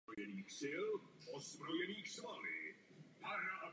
Živí se tvrdou stepní trávou.